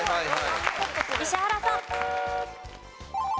石原さん。